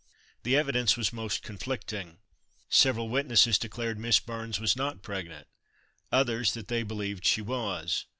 The evidence was most conflicting. Several witnesses declared Miss Burns was not pregnant, others that they believed she was.